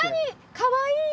かわいい。